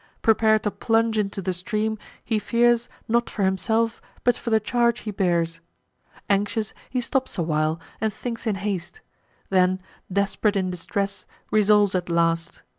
Prepar'd to plunge into the stream, he fears, Not for himself, but for the charge he bears. Anxious, he stops a while, and thinks in haste; Then, desp'rate in distress, resolves at last.